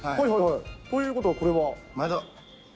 ということは、これは？